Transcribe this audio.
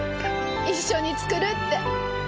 一緒に作るって。